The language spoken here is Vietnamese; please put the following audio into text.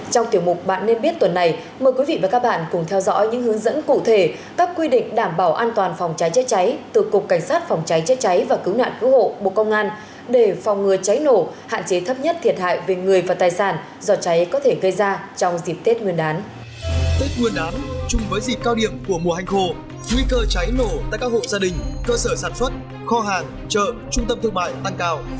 chúng với dịp cao điểm của mùa hành khô nguy cơ cháy nổ tại các hộ gia đình cơ sở sản xuất kho hàng chợ trung tâm thương mại tăng cao